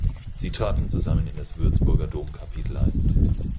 Sie traten zusammen in das Würzburger Domkapitel ein.